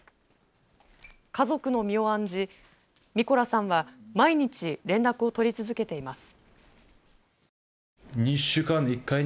家族の身を案じミコラさんは毎日連絡を取り続けています。